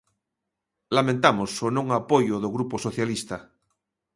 Lamentamos o non apoio do Grupo Socialista.